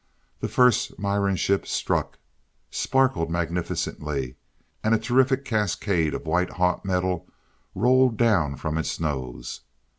The first Miran ship struck, sparkled magnificently, and a terrific cascade of white hot metal rolled down from its nose.